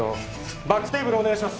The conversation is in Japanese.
バックテーブルお願いします。